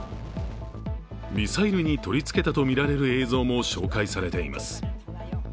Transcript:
ミサイルに取り付けたと見られる映像も紹介されています。